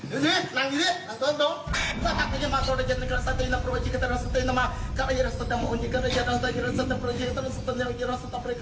เฮ่ยอยู่นี่หลังดินี่หลังตรง